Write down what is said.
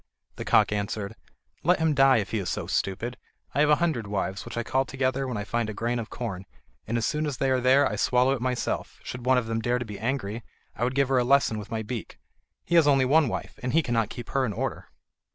The cock answered: "Let him die, if he is so stupid. I have a hundred wives, which I call together when I find a grain of corn, and as soon as they are there I swallow it myself; should one of them dare to be angry, I would give her a lesson with my beak. He has only one wife, and he cannot keep her in order."